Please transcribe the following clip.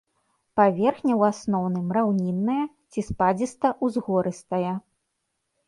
Паверхня ў асноўным раўнінная ці спадзіста-ўзгорыстая.